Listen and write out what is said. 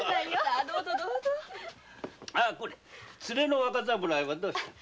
連れの若侍はどうした？